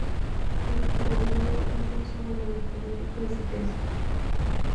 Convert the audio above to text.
El apellido es un símbolo de poder y riqueza.